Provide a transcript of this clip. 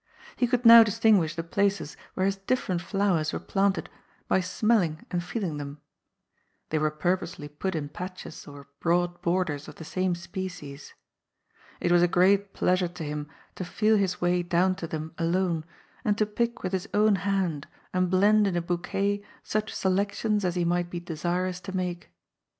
He could now distinguish the places where his different flowers were planted by smelling and feeling them. They were pur posely put in patches or broad borders of the same species. It was a great pleasure to him to feel his way down to them alone, and to pick with his own hand and blend in a bou quet such selections as he might be desirous to make.